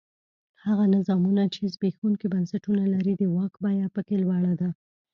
هغه نظامونه چې زبېښونکي بنسټونه لري د واک بیه په کې لوړه ده.